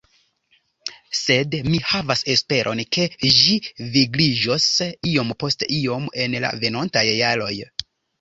Sed mi havas esperon, ke ĝi vigliĝos iom post iom en la venontaj jaroj.